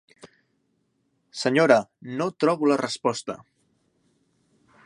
Senyora, no trobo la resposta.